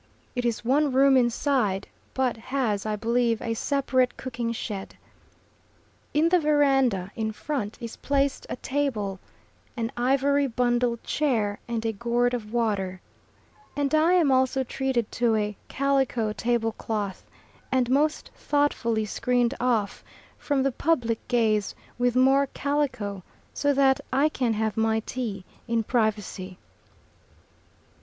It is one room inside, but has, I believe, a separate cooking shed. In the verandah in front is placed a table, an ivory bundle chair and a gourd of water, and I am also treated to a calico tablecloth, and most thoughtfully screened off from the public gaze with more calico so that I can have my tea in privacy.